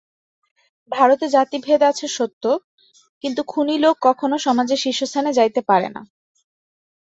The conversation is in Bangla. ভারতে জাতিভেদ আছে সত্য, কিন্তু খুনী লোক কখনও সমাজের শীর্ষস্থানে যাইতে পারে না।